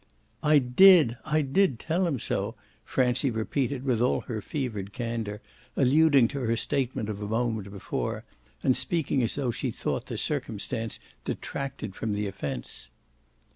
"I DID I did tell him so!" Francie repeated with all her fevered candour, alluding to her statement of a moment before and speaking as if she thought the circumstance detracted from the offence.